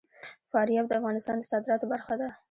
فاریاب د افغانستان د صادراتو برخه ده.